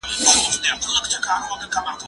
منډه د لوبغاړي لخوا وهل کېږي،